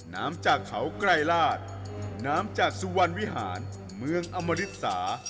น้ำจากเขาไกรราชน้ำจากสุวรรณวิหารเมืองอมริสา